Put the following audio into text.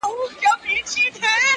لا خو زما او د قاضي یوشان رتبه ده,